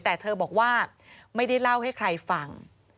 แต่เธอบอกว่าไม่ได้เล่าให้ใครฟัง